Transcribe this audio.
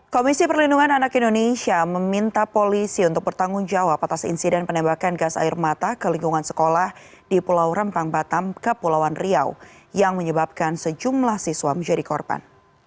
komisi perlindungan anak indonesia meminta polisi untuk bertanggung jawab atas insiden penembakan gas air mata ke lingkungan sekolah di pulau rempang batam kepulauan riau yang menyebabkan sejumlah siswa menjadi korban